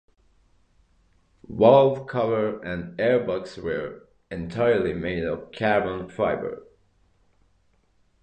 Valve cover and airbox were entirely made of carbon fiber.